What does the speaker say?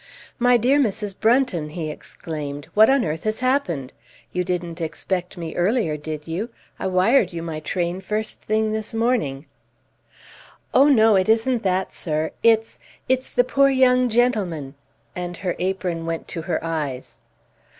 "My dear Mrs. Brunton," he exclaimed, "what on earth has happened? You didn't expect me earlier, did you? I wired you my train first thing this morning." "Oh, no, it isn't that, sir. It's it's the poor young gentleman " And her apron went to her eyes.